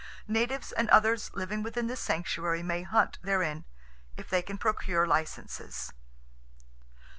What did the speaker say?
Natives and others living within this sanctuary may hunt therein—if they can procure licenses.